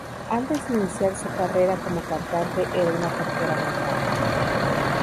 Antes de iniciar su carrera como cantante era una cajera bancaria.